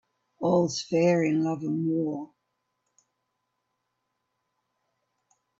All's fair in love and war.